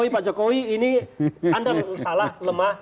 tapi pak jokowi ini anda salah lemah